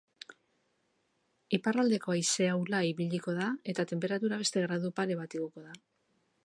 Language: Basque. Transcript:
Iparraldeko haize ahula ibiliko da eta tenperatura beste gradu pare bat igoko da.